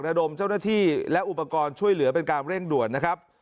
ระดมเจ้าหน้าที่และอุปกรณ์ช่วยเหลือเป็นการเร่งด่วนนะครับ